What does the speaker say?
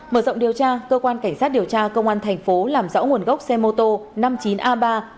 mở rộng điều tra cơ quan cảnh sát điều tra công an tp hcm làm rõ nguồn gốc xe mô tô năm mươi chín a ba một mươi một nghìn năm trăm tám mươi tám